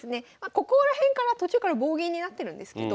ここら辺から途中から棒銀になってるんですけど。